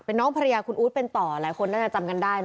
น้องภรรยาคุณอู๊ดเป็นต่อหลายคนน่าจะจำกันได้